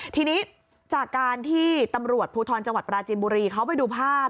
ทีนี้จากการที่ตำรวจภูทรจังหวัดปราจินบุรีเขาไปดูภาพ